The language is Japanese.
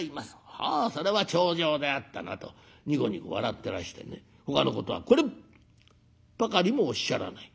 『ああそれは重畳であったな』とにこにこ笑ってらしてねほかのことはこれっぱかりもおっしゃらない。